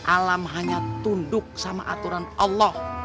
alam hanya tunduk sama aturan allah